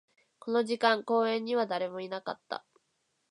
この時間、公園には誰もいなかった